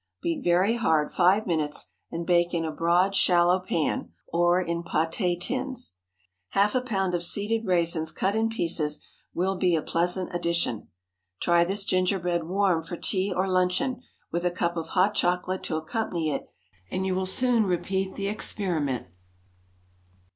Beat very hard five minutes, and bake in a broad, shallow pan, or in pâté tins. Half a pound of seeded raisins cut in pieces will be a pleasant addition. Try this gingerbread warm for tea or luncheon, with a cup of hot chocolate to accompany it, and you will soon repeat the experiment.